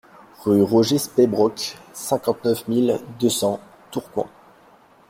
Rue Roger Speybrock, cinquante-neuf mille deux cents Tourcoing